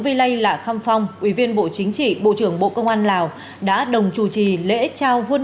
vi lây lạc thăng phong ủy viên bộ chính trị bộ trưởng bộ công an lào đã đồng chủ trì lễ trao huân